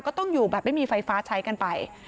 ก็ต้องอยู่แบบไม่มีไฟฟ้าใช้กันไป